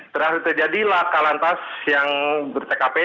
terakhir terjadi laka lantas yang bertekapai